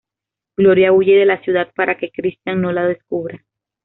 Gloria huye de la ciudad para que Christian no lo descubra.